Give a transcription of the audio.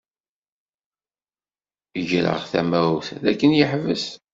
Greɣ tamawt dakken yeḥbes.